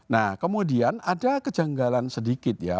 nah kemudian ada kejanggalan sedikit ya